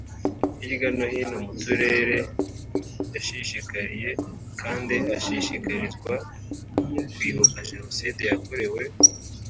hirya no hino mu Turere yashishikariye kandi ashishikarizwa kwibuka Jenoside yakorewe